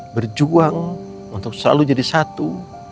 berjuang untuk selalu jadi satu